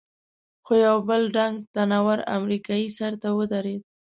خو یو بل ډنګ، تن ور امریکایي سر ته ودرېد.